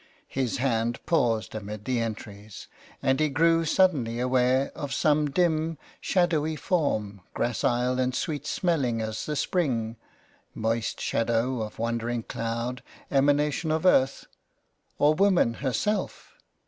His hand paused amid the entries, and he grew suddenly aware of some dim, shadowy form, gracile and sweet smelling as the spring — moist shadow of wandering cloud, emanation of earth, or woman herself